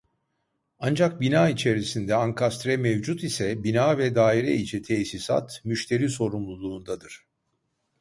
Ancak bina içerisinde ankastre mevcut ise bina ve daire içi tesisat müşteri sorumluluğundadır